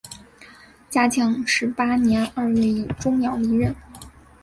嘉庆十八年二月以终养离任。